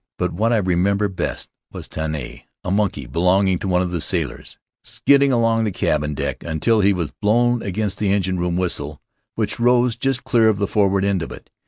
But what I remember best was Tane, a monkey belonging to one of the sailors, skidding along the cabin deck until he was blown against the engine room whistle, which rose just clear of the forward end of it.